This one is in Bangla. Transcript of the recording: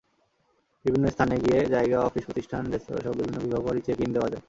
বিভিন্ন স্থানে গিয়ে জায়গা, অফিস, প্রতিষ্ঠান, রেস্তোরাঁসহ বিভিন্ন বিভাগওয়ারি চেক-ইন দেওয়া যায়।